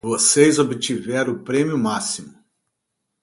Vocês obtiveram o prêmio máximo.